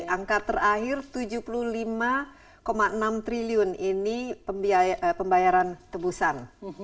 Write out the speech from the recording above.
angka terakhir tujuh puluh lima enam triliun ini pembayaran tebusan